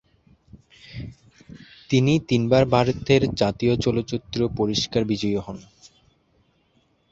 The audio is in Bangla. তিনি তিনবার ভারতের জাতীয় চলচ্চিত্র পুরস্কার বিজয়ী হন।